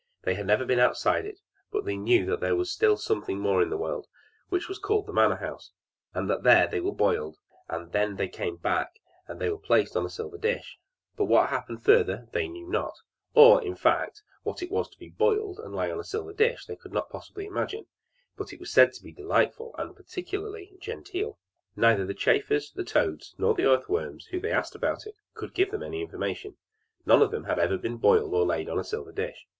They had never been outside it, but they knew that there was still something more in the world, which was called the manor house, and that there they were boiled, and then they became black, and were then placed on a silver dish; but what happened further they knew not; or, in fact, what it was to be boiled, and to lie on a silver dish, they could not possibly imagine; but it was said to be delightful, and particularly genteel. Neither the chafers, the toads, nor the earth worms, whom they asked about it could give them any information none of them had been boiled or laid on a silver dish.